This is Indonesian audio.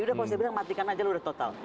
udah kalau saya bilang matikan aja lah udah total